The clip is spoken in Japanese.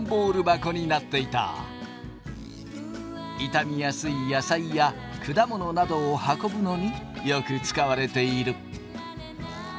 傷みやすい野菜や果物などを運ぶのによく使われている。